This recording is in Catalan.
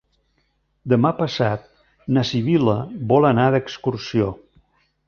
Demà passat na Sibil·la vol anar d'excursió.